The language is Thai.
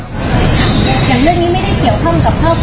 อย่างเรื่องนี้ไม่ได้เกี่ยวข้องกับครอบครัว